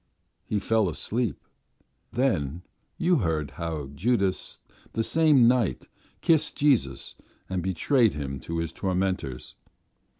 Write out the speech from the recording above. He fell asleep. Then you heard how Judas the same night kissed Jesus and betrayed Him to His tormentors.